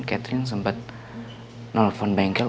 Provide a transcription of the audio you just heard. catherine sempat nelfon bengkel